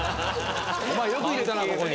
お前よくいれたなここに。